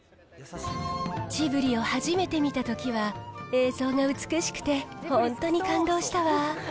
ジブリを初めて見たときは、映像が美しくて、本当に感動したわ。